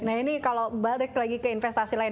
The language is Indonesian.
nah ini kalau balik lagi ke investasi lain